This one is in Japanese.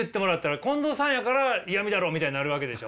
近藤さんやからイヤミだろうみたいになるわけでしょ。